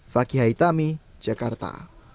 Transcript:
fakih haithami jakarta